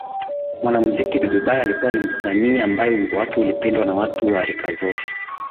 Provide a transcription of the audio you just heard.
Mwanamuziki Dudubaya alikuwa ni msanii ambaye wimbo wake ulipendwa na watu wa rika zote